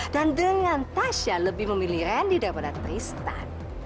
dan dengan tasya lebih memilih randy daripada tristan